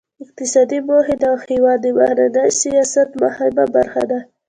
اقتصادي موخې د هیواد د بهرني سیاست مهمه برخه ده